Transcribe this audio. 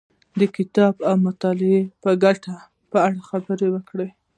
د کتاب او مطالعې د ګټو په اړه خبرې وکړې.